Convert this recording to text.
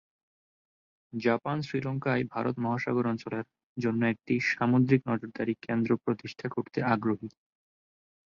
Japan শ্রীলঙ্কায় ভারত মহাসাগর অঞ্চলের জন্য একটি সামুদ্রিক নজরদারি কেন্দ্র প্রতিষ্ঠা করতে আগ্রহী।